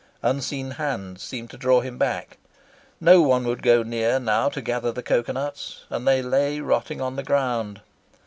Unseen hands seemed to draw him back. No one would go near now to gather the cocoa nuts, and they lay rotting on the ground.